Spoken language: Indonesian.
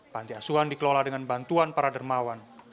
panti asuhan dikelola dengan bantuan para dermawan